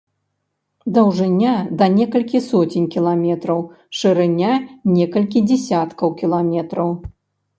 Даўжыня да некалькіх соцень кіламетраў, шырыня некалькі дзясяткаў кіламетраў.